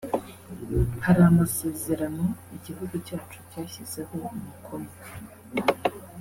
Hari amasezerano igihugu cyacu cyashyizeho umukono